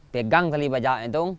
pegang tali bajaknya